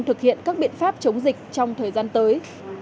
thực hiện các biện pháp chống dịch trong thời gian tới